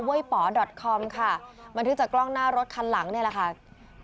ปอดอทคอมค่ะบันทึกจากกล้องหน้ารถคันหลังเนี่ยแหละค่ะ